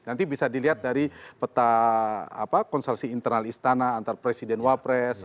nanti bisa dilihat dari peta konsorsi internal istana antar presiden wapres